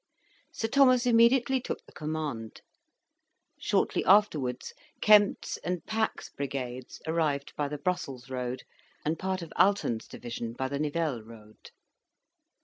Sir Thomas immediately took the command. Shortly afterwards, Kempt's and Pack's brigades arrived by the Brussels road, and part of Alten's division by the Nivelles road.